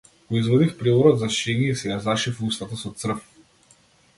Го извадив приборот за шиење и си ја зашив устата со црв.